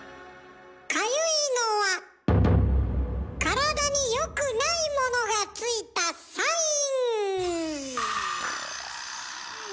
かゆいのは体に良くないものがついたサイン。